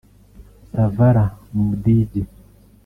Savara Mudigi